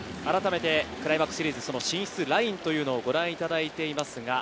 クライマックスシリーズ進出ラインというのをご覧いただいています。